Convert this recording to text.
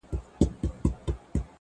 زه خو د وخت د بـلاگـانـــو اشـنا _